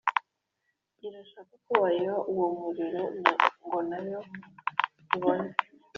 Irashaka ko wayiha’uwo muriro ngo nayo ibone